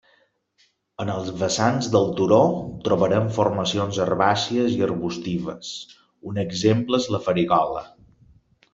En els vessants del turo trobarem formacions herbàcies i arbustives, un exemple és la farigola.